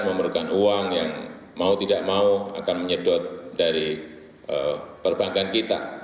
memerlukan uang yang mau tidak mau akan menyedot dari perbankan kita